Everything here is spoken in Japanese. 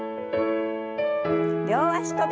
両脚跳び。